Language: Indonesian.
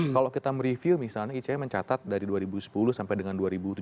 kalau kita mereview misalnya icw mencatat dari dua ribu sepuluh sampai dengan dua ribu tujuh belas